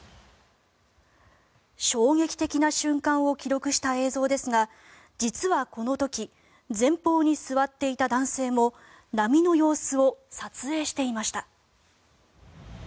衝撃的な瞬間を記録した映像ですが実はこの時前方に座っていた男性も波の様子を撮影していました。